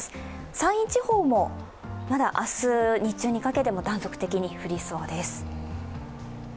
山陰地方もまだ明日、日中にかけても断続的に降りそうです。